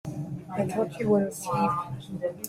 I thought you were asleep.